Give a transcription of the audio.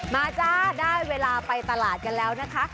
จ้าได้เวลาไปตลาดกันแล้วนะคะ